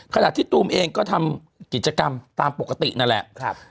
ขณะที่ตูมเองก็ทำกิจกรรมตามปกตินั่นแหละ